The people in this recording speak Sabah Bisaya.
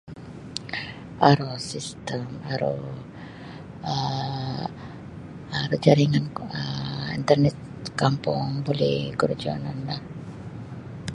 Aru sistem aru um aru jaringan kuo um antad da kampung buli korojonon lah.